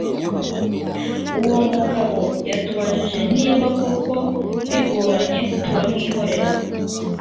uwo mugabo yatubajije nibakoko bigoranye turamwihorera.